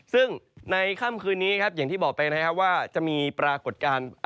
ซึ่งในค่ำคืนนี้ครับอย่างที่บอกไปนะครับว่าจะมีปรากฏการณ์